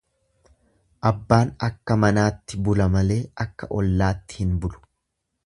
Abbaan akka manaatti bula malee akka ollaatti hin bulu.